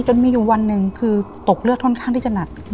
จนมีอยู่วันหนึ่งคือตกเลือดค่อนข้างที่จะหนัก